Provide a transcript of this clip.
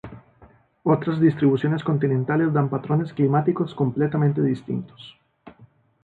Otras distribuciones continentales dan patrones climáticos completamente distintos.